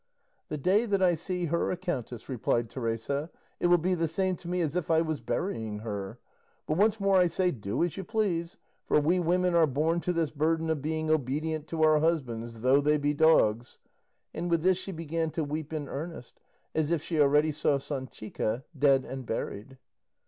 "The day that I see her a countess," replied Teresa, "it will be the same to me as if I was burying her; but once more I say do as you please, for we women are born to this burden of being obedient to our husbands, though they be dogs;" and with this she began to weep in earnest, as if she already saw Sanchica dead and buried.